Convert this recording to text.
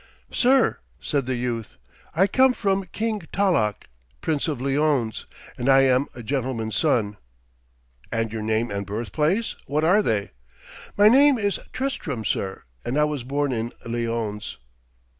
'Sir,' said the youth, 'I come from King Talloch, Prince of Lyones, and I am a gentleman's son.' 'And your name and birthplace what are they?' 'My name is Tristram, sir, and I was born in Lyones.'